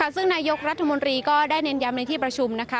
ซึ่งนายกรัฐมนตรีก็ได้เน้นย้ำในที่ประชุมนะคะ